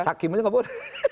sakim pun juga nggak boleh